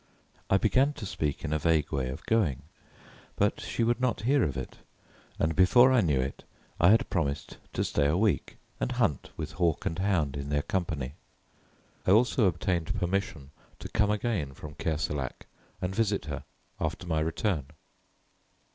I began to speak in a vague way of going, but she would not hear of it, and before I knew it I had promised to stay a week and hunt with hawk and hound in their company. I also obtained permission to come again from Kerselec and visit her after my return.